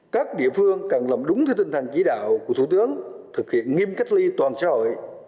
các địa phương cần làm đúng theo tinh thần chỉ đạo của thủ tướng thực hiện nghiêm cách ly toàn xã hội